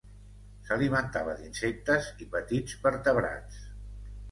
S'alimentava d'insectes i petits vertebrats.